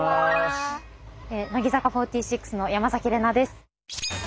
乃木坂４６の山崎怜奈です。